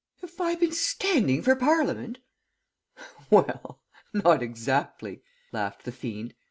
'Have I been standing for Parliament?' "'Well, not exactly' laughed the fiend.